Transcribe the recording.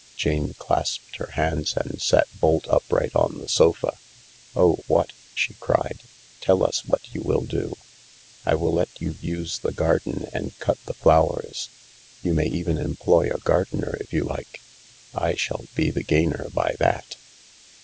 Jane clasped her hands and sat bolt upright on the sofa. " Oh, what ?" she cried. " Tell us what you will do !"" I will let you use the garden and cut the flowers. You may even employ a gardener if you like. J shall be the gainer by that."